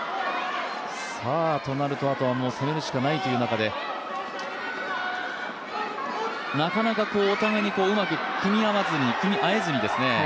となると、あとは攻めるしかないという中でなかなか、お互いにうまく組み合えずに。